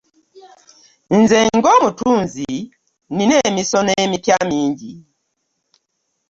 Nze nga omutunzi nnina emisono empya mingi.